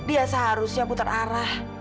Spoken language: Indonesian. dia seharusnya putar arah